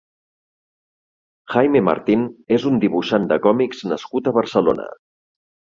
Jaime Martín és un dibuixant de còmics nascut a Barcelona.